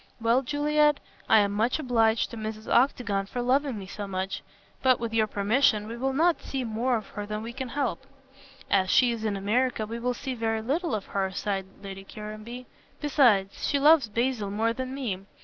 Well, Juliet, I am much obliged to Mrs. Octagon for loving me so much, but, with your permission, we will not see more of her than we can help." "As she is in America we will see very little of her," sighed Lady Caranby, "besides, she loves Basil more than me.